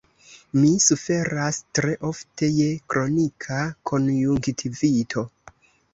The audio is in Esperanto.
Mi suferas tre ofte je kronika konjunktivito.